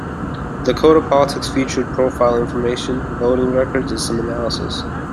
DakotaPolitics featured profile information, voting records and some analysis.